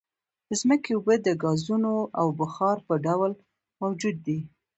د ځمکې اوبه د ګازونو او بخار په ډول موجود دي